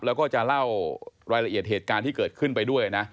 แล้วก็จะเล่ารายละเอียดเหตุการณ์ที่เกิดขึ้นไปด้วยนะ